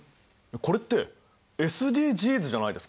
これってＳＤＧｓじゃないですか？